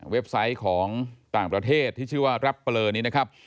ไซต์ของต่างประเทศที่ชื่อว่าแรปเปลอนี้นะครับ